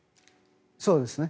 そうですね。